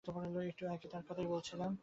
একটু আগে তার কথাই বলছিলাম।